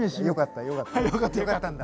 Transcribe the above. よかった。